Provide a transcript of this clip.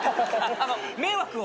あのう迷惑を。